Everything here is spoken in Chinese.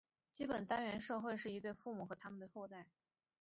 基本社会单元是一对父母和它们的后代。